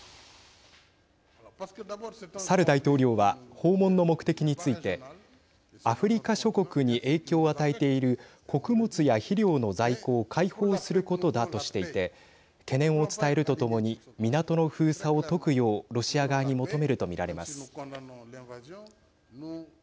サル大統領は訪問の目的についてアフリカ諸国に影響を与えている穀物や肥料の在庫を開放することだとしていて懸念を伝えるとともに港の封鎖を解くようロシア側に求めるとみられます。